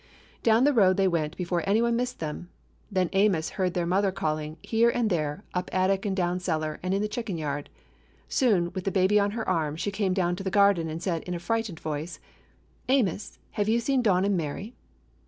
Down the road they went before any one missed them. Then Amos heard their mother calling, here and there, up attic and down cel lar and in the chicken yard. Soon, with the baby on her arm, she came down to the garden and said, in a frightened voice: "Amos, have you seen Don and Mary?"